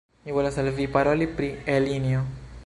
Mi volas al Vi paroli pri Elinjo!